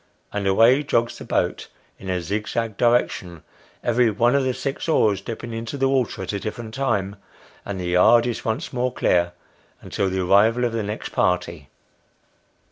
and away jogs the boat in a zigzag direction, every one of tho six oars dipping into the water at a different time ; and the yard is once more clear, until the arrival of the next party.